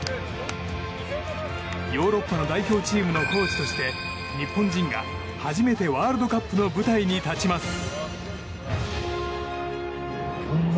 ヨーロッパの代表チームのコーチとして日本人が初めてワールドカップの舞台に立ちます。